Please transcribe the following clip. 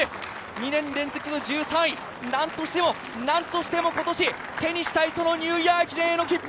２年連続の１３位、何としても今年、手にしたいニューイヤー駅伝への切符。